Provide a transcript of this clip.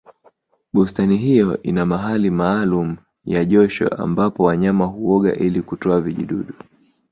bustani hiyo ina mahali maalumu ya josho ambapo wanyama huoga ili kutoa vijidudu